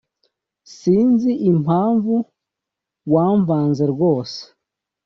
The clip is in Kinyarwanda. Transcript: Sinzi impamvu wamvanze rwose